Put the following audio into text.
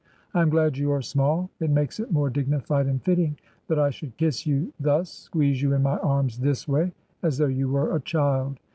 I am glad you are small. It makes it more dignified and fitting that I should kiss you, thus^ squeeze you in my arms this way — as though you were a child.